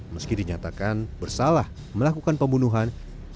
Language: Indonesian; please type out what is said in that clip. meski dinyatakan bersalah melakukan pembunuhan